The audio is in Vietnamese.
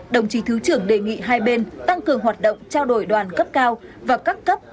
đồng chí thứ trưởng đề nghị hai bên tăng cường hoạt động trao đổi đoàn cấp cao và các cấp